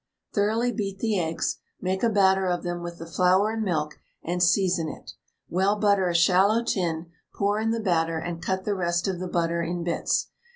Thoroughly beat the eggs, make a batter of them with the flour and milk, and season it. Well butter a shallow tin, pour in the batter, and cut the rest of the butter in bits.